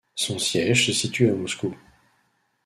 Son siège se situe à Moscou.